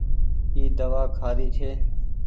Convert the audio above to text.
اي دوآ کآري ڇي۔